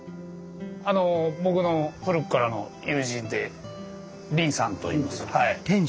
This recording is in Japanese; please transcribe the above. あの僕の古くからの友人で林さんといいます。